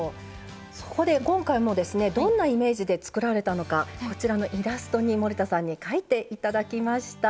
そこで今回もですねどんなイメージで作られたのかこちらのイラストに森田さんに描いて頂きました。